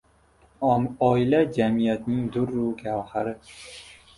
Oila — jamiyatning durru gavhari.